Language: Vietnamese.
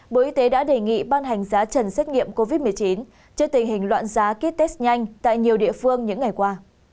ban hành giá trần xét nghiệm covid một mươi chín cho tình hình loạn giá ký test nhanh tại nhiều địa phương những ngày qua